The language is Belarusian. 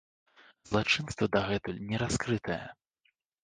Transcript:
Злачынства дагэтуль не раскрытае.